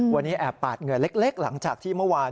วันนี้แอบปาดเหงื่อเล็กหลังจากที่เมื่อวาน